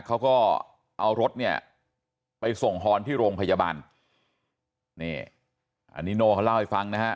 เขาก็เอารถเนี่ยไปส่งฮอนที่โรงพยาบาลนี่อันนี้โน่เขาเล่าให้ฟังนะฮะ